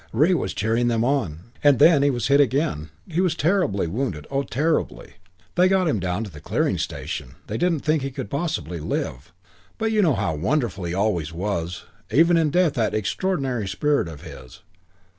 Re was cheering them on. And then he was hit again. He was terribly wounded. Oh, terribly. They got him down to the clearing station. They didn't think he could possibly live. But you know how wonderful he always was. Even in death that extraordinary spirit of his....